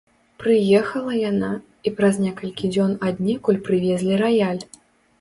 Прыехала яна, і праз некалькі дзён аднекуль прывезлі раяль.